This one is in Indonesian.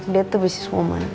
dia tuh business woman